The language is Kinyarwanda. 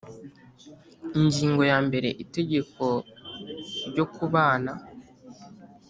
Ingingo yambere Itegeko ryo kubana